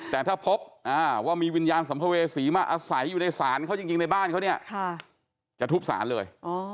แต่ถ้าพบว่ามีวิญญาณสัมภเวษีมาอาศัยอยู่ในศาลเขาจริงในบ้านเขาเนี่ยจะทุบสารเลย